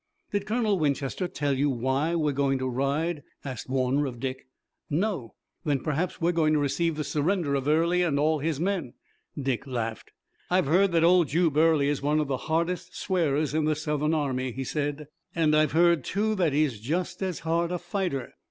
"Did Colonel Winchester tell you why we were going to ride?" asked Warner of Dick. "No." "Then perhaps we're going to receive the surrender of Early and all his men." Dick laughed. "I've heard that old Jube Early is one of the hardest swearers in the Southern army," he said, "and I've heard, too, that he's just as hard a fighter.